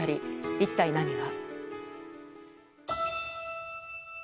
一体何が。